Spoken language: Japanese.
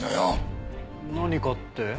何かって？